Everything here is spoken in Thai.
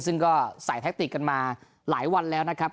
ซึ่งก็ใส่แท็กติกกันมาหลายวันแล้วนะครับ